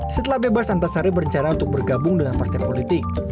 setelah bebas antasari berencana untuk bergabung dengan partai politik